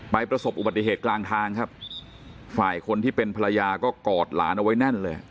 ประสบอุบัติเหตุกลางทางครับฝ่ายคนที่เป็นภรรยาก็กอดหลานเอาไว้แน่นเลย